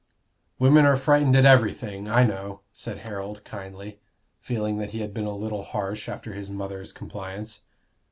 "Women are frightened at everything I know," said Harold, kindly, feeling that he had been a little harsh after his mother's compliance.